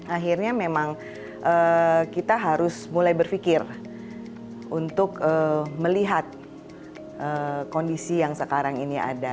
akhirnya memang kita harus mulai berpikir untuk melihat kondisi yang sekarang ini ada